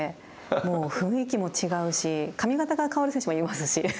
もう雰囲気も違うし、髪形から変わる選手もいますし。